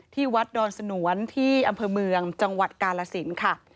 ที่วัดดอนสนวนที่อำเภอเมืองจังหวัดกาลสินค่ะ